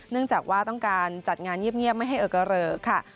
จากว่าต้องการจัดงานเงียบไม่ให้เอิกเกรอค่ะ